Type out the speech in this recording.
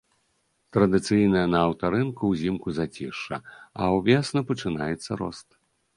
Традыцыйна на аўтарынку ўзімку зацішша, а ўвесну пачынаецца рост.